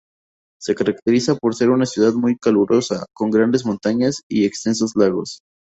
Se caracteriza por ser una ciudad muy calurosa, con grandes montañas y extensos lagos.